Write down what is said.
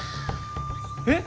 えっ！？